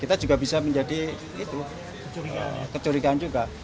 kita juga bisa menjadi kecurigaan juga